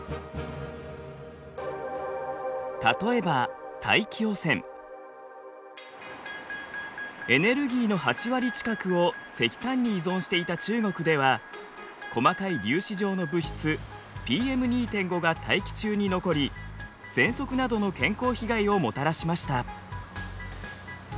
例えばエネルギーの８割近くを石炭に依存していた中国では細かい粒子状の物質ＰＭ２．５が大気中に残りぜんそくなどの健康被害をもたらしました。